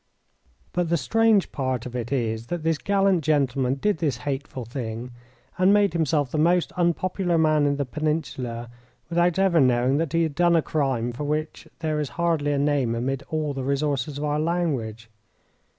But the strange part of it is that this gallant gentleman did this hateful thing, and made himself the most unpopular man in the Peninsula, without ever knowing that he had done a crime for which there is hardly a name amid all the resources of our language.